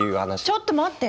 ちょっと待って。